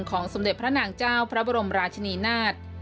สมเด็จพระนางเจ้าพระบรมราชินีนาฏ